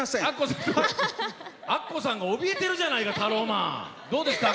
アッコさんがおびえてるじゃないか。